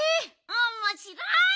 おもしろい！